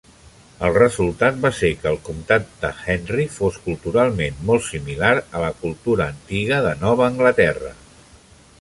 El resultat va ser que el comtat de Henry fos culturalment molt similar a la cultura antiga de Nova Anglaterra.